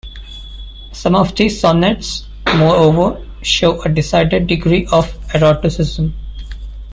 Some of the sonnets, moreover, show a decided degree of eroticism.